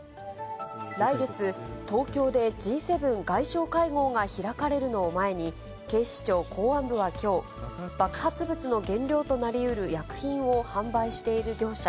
来月、東京でＧ７外相会合が開かれるのを前に、警視庁公安部はきょう、爆発物の原料となりうる薬品を販売している業者